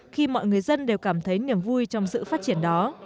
khi mọi người dân đều cảm thấy niềm vui trong sự phát triển đó